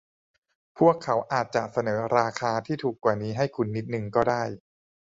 พวกเขาอาจจะเสนอราคาที่ถูกกว่านี้ให้คุณนิดนึงก็ได้